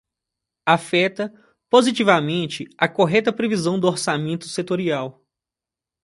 Afeta positivamente a correta previsão do orçamento setorial.